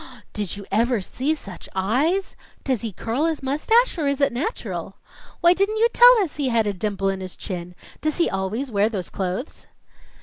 "Did you ever see such eyes!" "Does he curl his mustache, or it is natural?" "Why didn't you tell us he had a dimple in his chin?" "Does he always wear those clothes?"